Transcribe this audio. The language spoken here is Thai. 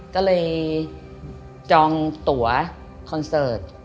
ก็เลยจองตัวคอนเสิร์ต